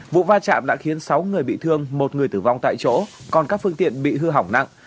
vụ va chạm đã khiến sáu người bị thương một người tử vong tại chỗ còn các phương tiện bị hư hỏng nặng